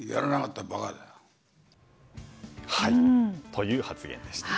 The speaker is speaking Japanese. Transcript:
という発言でした。